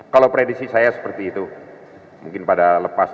kalau prediksi saya seperti itu mungkin pada lepas